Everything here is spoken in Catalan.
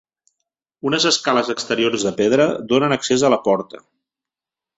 Unes escales exteriors de pedra donen accés a la porta.